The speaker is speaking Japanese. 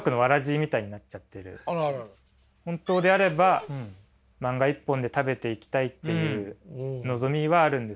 本当であれば漫画一本で食べていきたいっていう望みはあるんですけど。